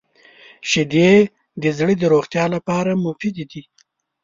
• شیدې د زړه د روغتیا لپاره مفید دي.